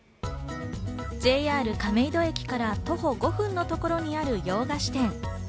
ＪＲ亀戸駅から徒歩５分のところにある洋菓子店。